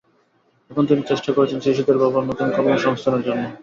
এখন তিনি চেষ্টা করছেন শিশুদের বাবার নতুন কর্মসংস্থানের জন্য।